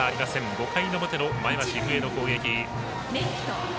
５回の表の前橋育英の攻撃。